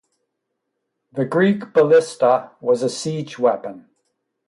The Greek ballista was a siege weapon.